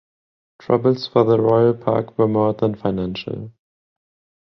Troubles for the Royal Park were more than financial.